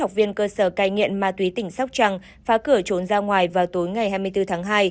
một trăm chín mươi một học viên cơ sở canh nhiện ma túy tỉnh sóc trăng phá cửa trốn ra ngoài vào tối ngày hai mươi bốn tháng hai